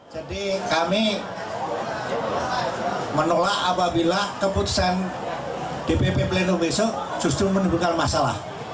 jadi kami menolak apabila keputusan dpp pleno besok justru menegurkan masalah